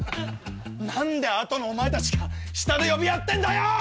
何で後のお前たちが下で呼び合ってんだよ！